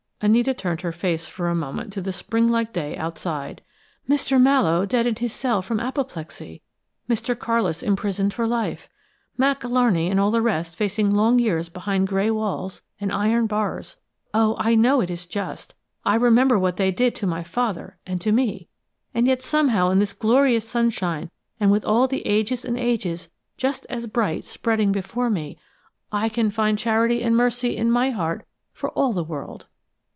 Anita Lawton turned her face for a moment to the spring like day outside. "Mr. Mallowe dead in his cell from apoplexy, Mr. Carlis imprisoned for life, Mac Alarney and all the rest facing long years behind gray walls and iron bars oh, I know it is just; I remember what they did to my father and to me; and yet somehow in this glorious sunshine and with all the ages and ages just as bright, spreading before me, I can find charity and mercy in my heart for all the world!"